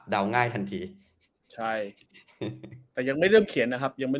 ง่ายทันทีใช่แต่ยังไม่เริ่มเขียนนะครับยังไม่